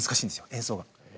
演奏が。